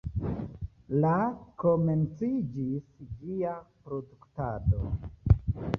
La komenciĝis ĝia produktado.